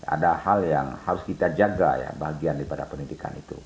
ada hal yang harus kita jaga ya bagian daripada pendidikan itu